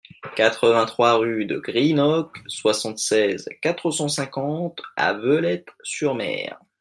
quatre-vingt-trois rue de Greenock, soixante-seize, quatre cent cinquante à Veulettes-sur-Mer